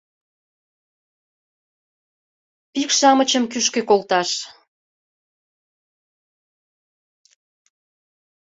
Пикш-шамычым кӱшкӧ колташ